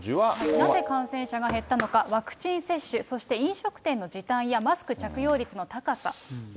なぜ感染者が減ったのか、ワクチン接種、そして飲食店の時短や、マスク着用率の高さ。